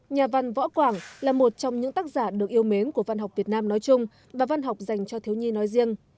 nhà văn võ quảng là một trong những tác giả được yêu mến của văn học việt nam nói chung và văn học dành cho thiếu nhi nói riêng